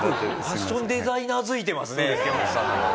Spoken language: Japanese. ファッションデザイナーづいてますね池松さんのプライベートは。